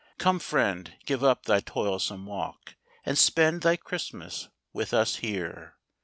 " Come, friend, give up thy toilsome walk, And spend thy Christmas with us here."